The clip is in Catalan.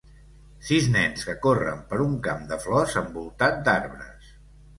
Sis nens que corren per un camp de flors envoltat d'arbres.